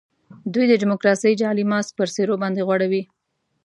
دوی د ډیموکراسۍ جعلي ماسک پر څېرو باندي غوړوي.